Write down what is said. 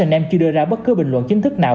h m chưa đưa ra bất cứ bình luận chính thức nào